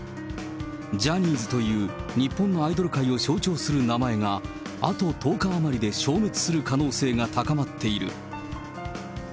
ジャニーズという日本のアイドル界を象徴する名前が、あと１０日余りで消滅する可能性が高まっている。